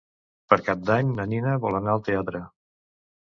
Per Cap d'Any na Nina vol anar al teatre.